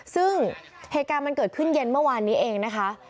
ซึ่งเหตุการณ์มันเกิดขึ้นเย็นเมื่อวานนี้เองนะคะ